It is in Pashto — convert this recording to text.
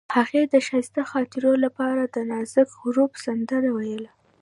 هغې د ښایسته خاطرو لپاره د نازک غروب سندره ویله.